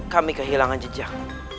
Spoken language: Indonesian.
kami kehilangan jejak